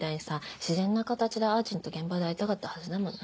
自然な形であーちんと現場で会いたかったはずだもんね。